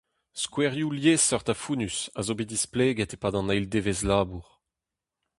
Skouerioù liesseurt ha fonnus a zo bet displeget e-pad an eil devezh labour.